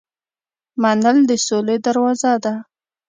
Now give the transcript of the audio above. منل د سولې دروازه ده.